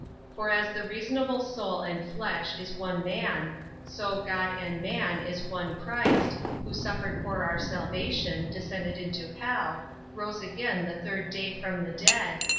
37. For as the reasonable soul and flesh is one man, so God and man is one Christ; 38. Who suffered for our salvation, descended into hell, rose again the third day from the dead; 39.